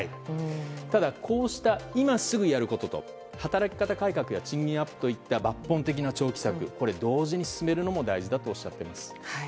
ただ、こうした今すぐやることと、働き方改革や賃金アップといった抜本的な長期策同時に進めるのも大事だとおっしゃっています。